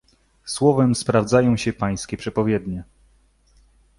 "Słowem sprawdzają się pańskie przepowiednie."